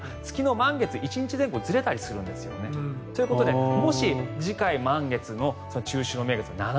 満月１日前後ずれたりするんです。ということで、もし次回の中秋の名月